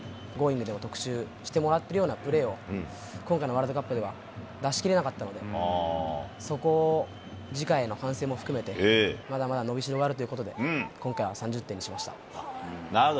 でも特集してもらっているようなプレーを、今回のワールドカップでは出しきれなかったので、そこを次回への反省も含めて、まだまだ伸びしろがあるというこなるほど。